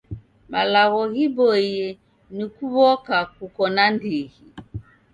Malagho ghiboiye ni kuw'oka kuko na ndighi.